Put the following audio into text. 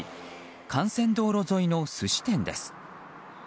幹線道路沿いの寿司店です。